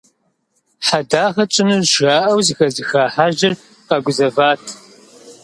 «Хьэдагъэ тщӏынущ» жаӏэу зыхэзыха хьэжьыр къэгузэват.